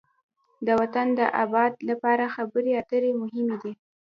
د وطن د آباد لپاره خبرې اترې مهمې دي.